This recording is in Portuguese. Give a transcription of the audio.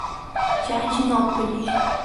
Jardinópolis